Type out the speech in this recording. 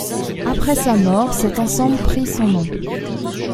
Après sa mort, cet ensemble prit son nom .